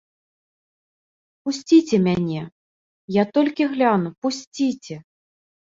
Пусціце мяне, я толькі гляну, пусціце.